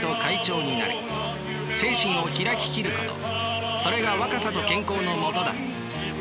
精神をひらききることそれが若さと健康のもとだ。